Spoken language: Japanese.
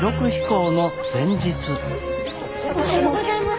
おはようございます。